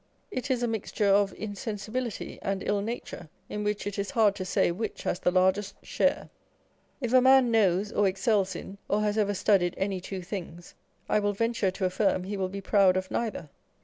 It is a mixture of insensibility and ill nature, in which it is hard to say which has the largest share. If a man knows or excels in, or has ever studied any two things, I will venture to affirm he will be proud of neither.